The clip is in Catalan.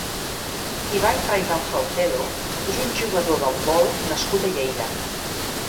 Iván Raigal Salcedo és un jugador d'handbol nascut a Lleida.